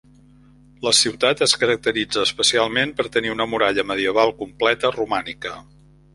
La ciutat es caracteritza especialment per tenir una muralla medieval completa, romànica.